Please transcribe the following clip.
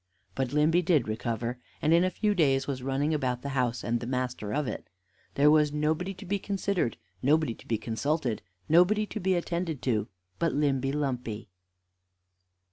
But Limby did recover, and in a few days was running about the house, and the master of it. There was nobody to be considered, nobody to be consulted, nobody to be attended to, but Limby Lumpy.